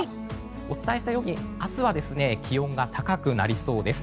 お伝えしたように明日は気温が高くなりそうです。